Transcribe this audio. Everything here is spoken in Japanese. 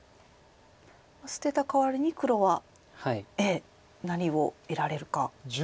捨てたかわりに黒は何を得られるか。